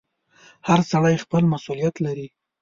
• هر سړی خپل مسؤلیت لري.